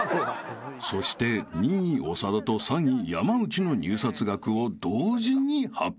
［そして２位長田と３位山内の入札額を同時に発表］